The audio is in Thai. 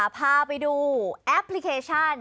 พาไปดูแอปพลิเคชัน